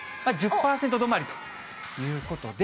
１０％止まりということで。